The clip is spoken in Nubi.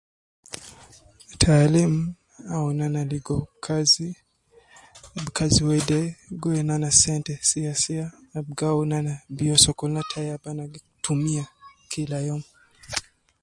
Taalim awunu ana ligo kazi, kazi wede gi wedi naana sente siyasiya ab gi awunu ana biyo sokolna tayi ab ana gi tumiya kila youm.